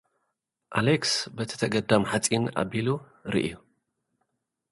ኣሌክስ በቲ ተገዳም ሓጺን ኣቢሉ ርእዩ።